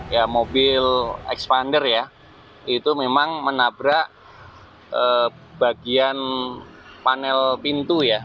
ya mobil expander ya itu memang menabrak bagian panel pintu ya